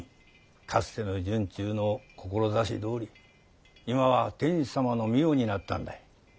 かつての惇忠の志どおり今は天子様の御代になったんだ。